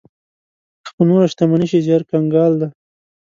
که په نوره شتمني شي زيار کنګال دی.